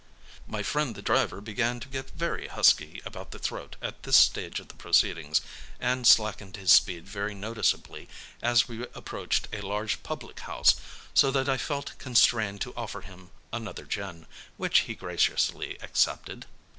My friend the driver began to get very husky about the throat at this stage of the proceedings, and slackened his speed very noticeably as we approached a large public house, so that I felt constrained to offer him another gin, which he graciously accepted.